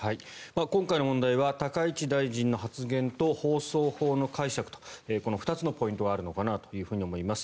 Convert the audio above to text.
今回の問題は高市大臣の発言と放送法の解釈とこの２つのポイントがあるのかなと思います。